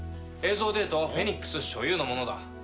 映像データはフェニックス所有のものだ。